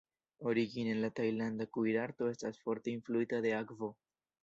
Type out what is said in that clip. Origine la tajlanda kuirarto estas forte influita de akvo.